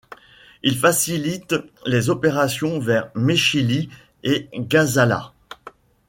Il facilite les opérations vers Mechili et Gazala.